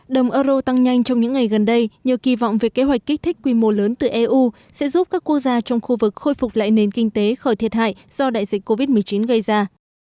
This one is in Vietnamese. đồng euro tăng nhanh trong những ngày gần đây nhờ kỳ vọng về kế hoạch kích thích quy mô lớn từ eu sẽ giúp các quốc gia trong khu vực khôi phục lại nền kinh tế khỏi thiệt hại do đại dịch covid một mươi chín gây ra